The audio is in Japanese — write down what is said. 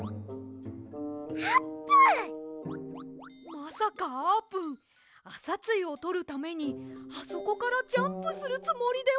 まさかあーぷんあさつゆをとるためにあそこからジャンプするつもりでは！